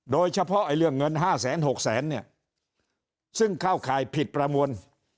โดยเฉพาะไอ้เรื่องเงินห้าแสนหกแสนเนี่ยซึ่งเข้าข่ายผิดประมวล